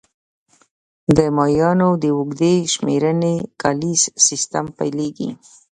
د مایانو د اوږدې شمېرنې کالیز سیستم پیلېږي